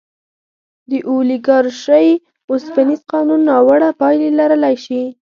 د اولیګارشۍ اوسپنیز قانون ناوړه پایلې لرلی شي.